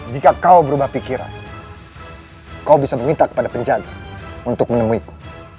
jika kau berubah pikiran kau bisa meminta kepada penjaga untuk menemuiku